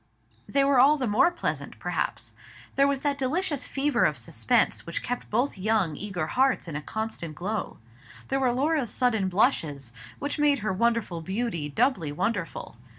They were all the more pleasant, perhaps. There was that delicious fever of suspense which kept both young eager hearts in a constant glow. There were Laura's sudden blushes, which made her wonderful beauty doubly wonderful.